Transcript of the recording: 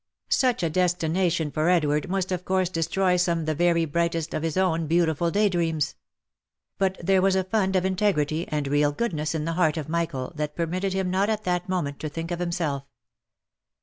Such a destination for Edward must of course destroy some the very brightest of his own beautiful day dreams : but there was a fund of integrity and real goodness in the heart of Michael that permitted him not at that moment to think of himself.